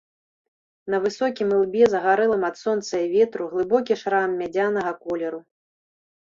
На высокім ілбе, загарэлым ад сонца і ветру, глыбокі шрам мядзянага колеру.